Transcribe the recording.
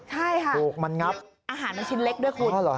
ใช่ค่ะอาหารมันชิ้นเล็กด้วยคุณ